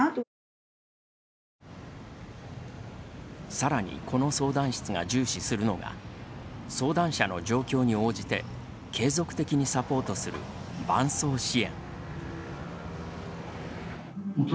さらに、この相談室が重視するのが相談者の状況に応じて継続的にサポートする伴走支援。